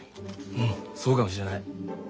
うんそうかもしれない。